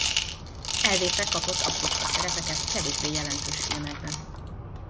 Elvétve kapott aprócska szerepeket kevésbé jelentős filmekben.